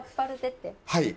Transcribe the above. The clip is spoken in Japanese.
はい。